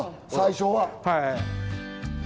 最初は。